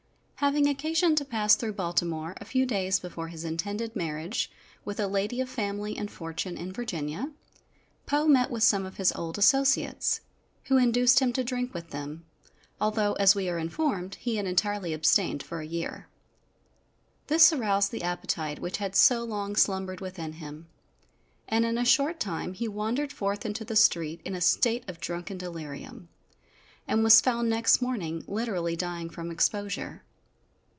Having occasion to pass through Baltimore a few days before his intended marriage with a lady of family and fortune in Virginia, Poe met with some of his old associates, who induced him to drink with them, although, as we are informed, he had entirely abstained for a year. This aroused the appetite which had so long slumbered within him, and in a short time he wandered forth into the street in a state of drunken delirium, and was found next morning literally dying from exposure.